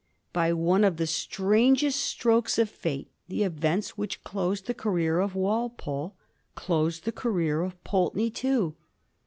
By one of the strangest strokes of fate the events which closed the career of Walpole closed the career of Pulteney too.